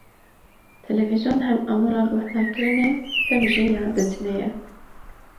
Televizyon hem amûra guhdarkirinê, hem jî ya dîtinê ye.